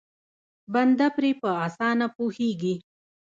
بنده پرې په اسانه پوهېږي.